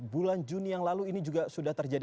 bulan juni yang lalu ini juga sudah terjadi